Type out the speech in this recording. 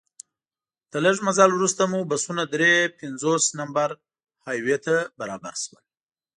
له لږ مزل وروسته مو بسونه درې پنځوس نمبر های وې ته برابر شول.